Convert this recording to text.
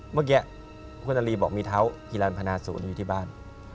เมื่อกี้คุณนาลีบอกมีเท้าฮิลันพนาศูนย์อยู่ที่บ้าน